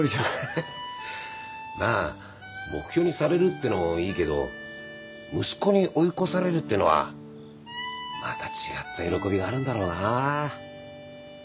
まあ目標にされるってのもいいけど息子に追い越されるってのはまた違った喜びがあるんだろうな。